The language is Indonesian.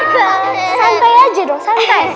santai aja dong santai